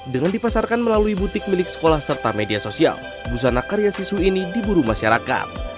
dengan dipasarkan melalui butik milik sekolah serta media sosial busana karya siswi ini diburu masyarakat